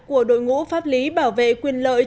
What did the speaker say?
của đội ngũ pháp lý bảo vệ quyền lợi